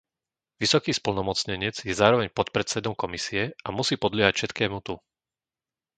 Vysoký splnomocnenec je zároveň podpredsedom Komisie a musí podliehať všetkému tu.